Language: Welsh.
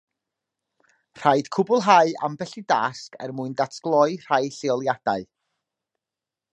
Rhaid cwblhau ambell i dasg er mwyn datgloi rhai lleoliadau.